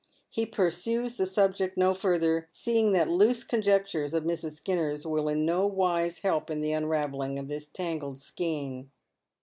He pursues the subject no further, seeing that loose conjectures of Mrs. Skinner's will in no wise help in the unravelling of this tangled skein.